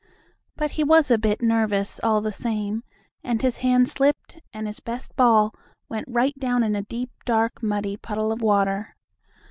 But he was a bit nervous, all the same, and his hand slipped and his best ball went right down in a deep, dark, muddy puddle of water.